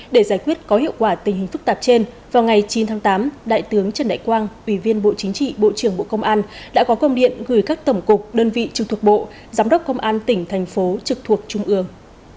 để giải quyết có hiệu quả tình hình phức tạp trên vào ngày chín tháng tám đại tướng trần đại quang ủy viên bộ chính trị bộ trưởng bộ công an đã có công điện gửi các tổng cục đơn vị trực thuộc bộ giám đốc công an tỉnh thành phố trực thuộc trung ương